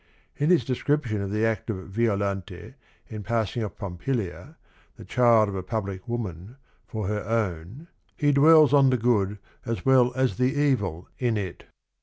In his description of the act of Violante in passing off Pompilia, the child of a public woman, for her own, he dwells on the good as well as the evil in 44 THE RING AND THE BOOK it.